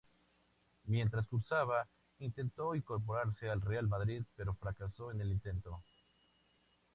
Mientras cursaba, intentó incorporarse al Real Madrid, pero fracasó en el intento.